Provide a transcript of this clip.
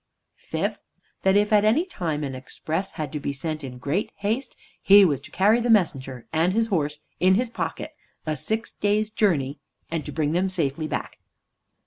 Fifth, that if at any time an express had to be sent in great haste, he was to carry the messenger and his horse in his pocket a six days' journey, and to bring them safely back.